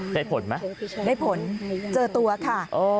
ได้ผลไหมได้ผลเจอตัวค่ะ